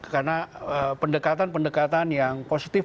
karena pendekatan pendekatan yang positif